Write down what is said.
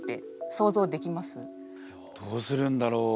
どうするんだろう？